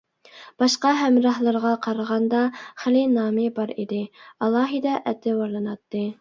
باشقا ھەمراھلىرىغا قارىغاندا خېلى نامى بار ئىدى، ئالاھىدە ئەتىۋارلىناتتى.